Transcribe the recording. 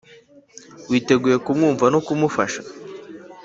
witeguye kumwumva no kumufasha